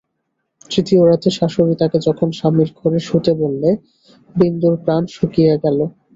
তৃতীয় রাত্রে শাশুড়ি তাকে যখন স্বামীর ঘরে শুতে বললে, বিন্দুর প্রাণ শুকিয়ে গেল।